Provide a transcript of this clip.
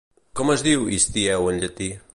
Com es diu Histieu en llatí?